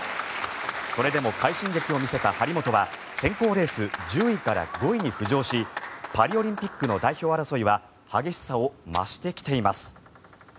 それでも快進撃を見せた張本は選考レース１０位から５位に浮上しパリオリンピックの代表争いは激しさを増してきています。